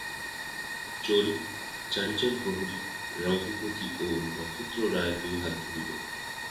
চারিজন প্রহরী রঘুপতি ও নক্ষত্ররায়ের দুই হাত ধরিল।